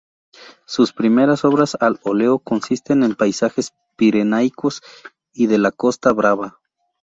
Sus primeras obras al óleo consisten en paisajes pirenaicos y de la Costa Brava.